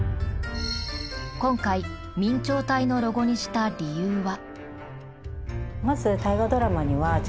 今回明朝体のロゴにした理由は？